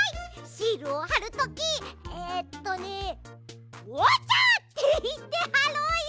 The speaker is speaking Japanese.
シールをはるときえっとね「オッチョ」っていってはろうよ。